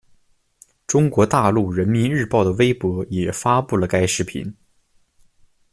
中国大陆人民日报的微博也发布了该视频。